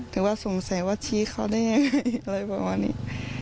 แต่ว่าสงสัยว่าชี้เขาได้ยังไงอะไรประมาณนี้